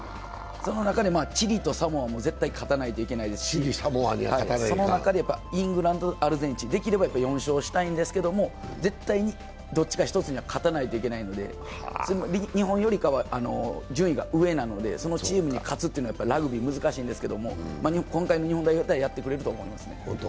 その中でチリとサモアは絶対勝たなきゃいけないし、その中でイングランド、アルゼンチン、できれば４勝したいんですけど、絶対にどっちか１つには勝たないといけないので日本よりかは順位が上なのでそのチームに勝つのはラグビー、難しいんですけども、今回の日本代表だったらやってくれると思います。